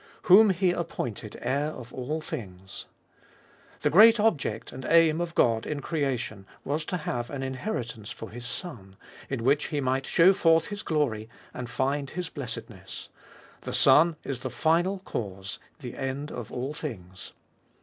Whom He appointed Heir of all things. The great object and aim of God in creation was to have an inheritance for His Son, in which He might show forth His glory and find His blessedness. The Son is the Final Cause, the End of all things.